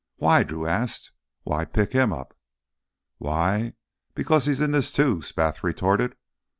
"Why?" Drew asked. "Why pick him up?" "Why? Because he's in this, too!" Spath retorted.